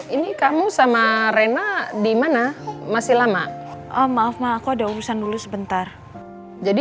ini kamu sama rena dimana masih lama maaf ma aku ada urusan dulu sebentar jadi